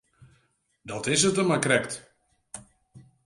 Dat is it him mar krekt.